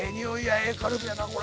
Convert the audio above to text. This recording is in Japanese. ええカルビやなこれ。